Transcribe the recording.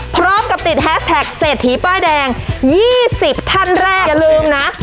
พร้อมกับติดแฮสแท็กเศรษฐีป้ายแดง๒๐ท่านแรกอย่าลืมนะ